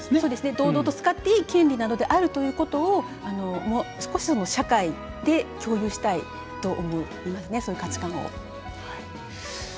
堂々と使っていい権利なのであるということを少しでも社会で共有したいと思いますね、そういう価値観を。